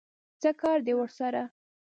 څه کار دی ورسره؟